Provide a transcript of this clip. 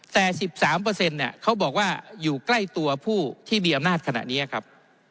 แต่๑๓เปอร์เซ็นต์เนี่ยเขาบอกว่าอยู่ใกล้ตัวผู้ที่มีอำนาจขณะนี้ครับ